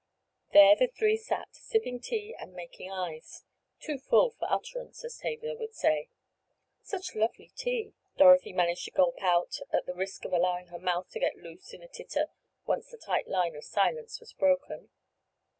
There the three sat, sipping tea and "making eyes,"—"too full for utterance," as Tavia would say. "Such lovely tea," Dorothy managed to gulp out at the risk of allowing her mouth to get loose in a titter, once the tight line of silence was broken.